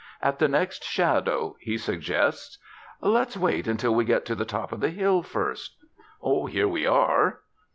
"At the next shadow," he suggests. "Let's wait until we get to the top of this hill, first." "Here we are."